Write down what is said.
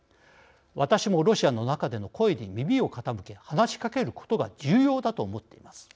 私もロシアの中での声に耳を傾け、話しかけることが重要だと思っています。